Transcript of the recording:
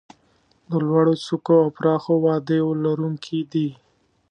د لوړو څوکو او پراخو وادیو لرونکي دي.